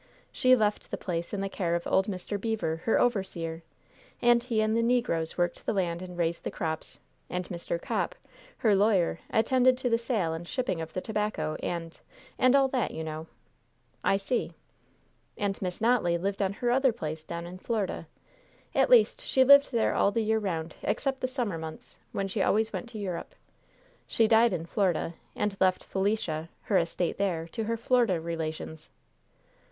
She left the place in the care of old Mr. Beever, her overseer, and he and the negroes worked the land and raised the crops, and Mr. Copp, her lawyer, attended to the sale and shipping of the tobacco and and all that, you know." "I see." "And Miss Notley lived on her other place down in Florida. At least, she lived there all the year round except the summer months, when she always went to Europe. She died in Florida, and left Felicia her estate there to her Florida relations."